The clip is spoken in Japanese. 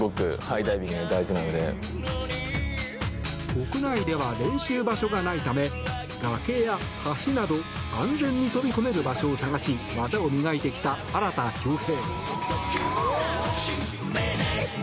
国内では練習場所がないため崖や橋など安全に飛び込める場所を探し技を磨いていた荒田恭兵。